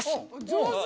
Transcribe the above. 上手！